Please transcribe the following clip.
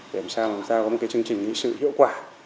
để làm sao chúng ta có một chương trình nghị sự hiệu quả